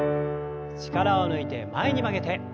力を抜いて前に曲げて。